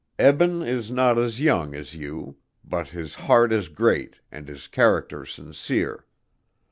Eben is not as young as you, but his heart is great and his character sincere.